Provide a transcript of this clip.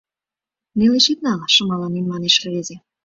— Нелеш ит нал, — шымаланен манеш рвезе.